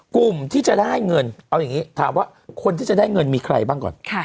กลุ่มที่จะได้เงินเอาอย่างนี้ถามว่าคนที่จะได้เงินมีใครบ้างก่อน